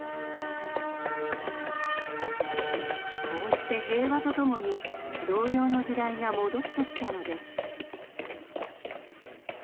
こうして平和とともに童謡の時代が戻ってきたのです。